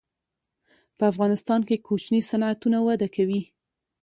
په افغانستان کې کوچني صنعتونه وده کوي.